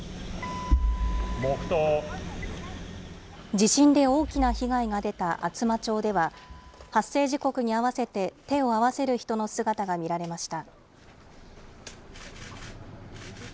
地震で大きな被害が出た厚真町では、発生時刻に合わせて手を合わせる人の姿が見られました。